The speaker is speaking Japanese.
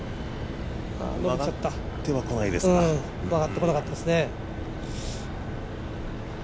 曲がってこなかったですね。